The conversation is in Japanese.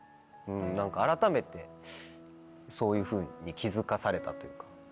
何か改めてそういうふうに気付かされたというか。